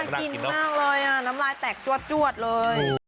กินมากเลยน้ำลายแตกจวดเลย